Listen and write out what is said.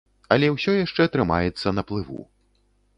Але ўсё яшчэ трымаецца на плыву.